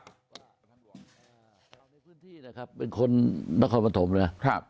เราในพื้นที่นะครับเป็นคนนครปฐมนะครับ